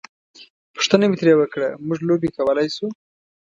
پوښتنه مې ترې وکړه: موږ لوبې کولای شو؟